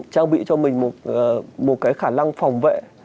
trang bị cho mình một cái khả năng phòng vệ